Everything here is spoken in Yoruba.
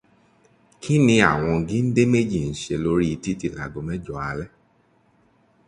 Kíni àwọn géńdé méjì n ṣé lórí títì láago mẹ́jọ alẹ́?